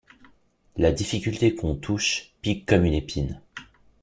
La difficulté qu’on touche pique comme une épine.